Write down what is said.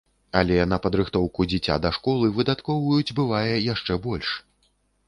Але на падрыхтоўку дзіця да школы выдаткоўваюць, бывае, яшчэ больш.